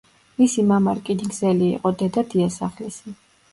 მისი მამა რკინიგზელი იყო, დედა დიასახლისი.